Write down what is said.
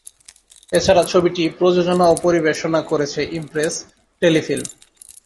এছাড়া ছবিটি প্রযোজনা ও পরিবেশনা করেছে ইমপ্রেস টেলিফিল্ম।